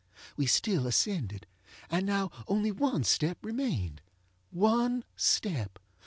We still ascended, and now only one step remained. One step!